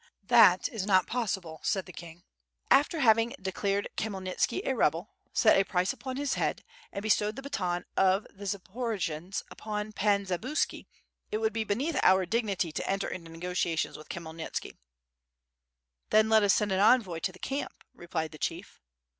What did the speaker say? "That is not possible," said the king, "after having de clared Khmyelnitski a rebel, set a price upon his head, and bestowed the baton of the Zaporojians upon Pan Zabuski, it would be beneath our dignity to enter into negotiations with Khmyelnitski." "Then let us send an envoy to the camp," replied the chief.